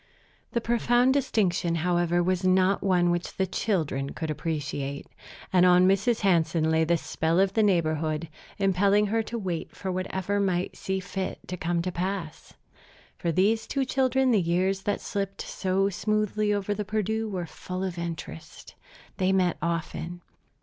The profound distinction, however, was not one which the children could appreciate; and on Mrs. Hansen lay the spell of the neighborhood, impelling her to wait for whatever might see fit to come to pass. For these two children the years that slipped so smoothly over the Perdu were full of interest. They met often.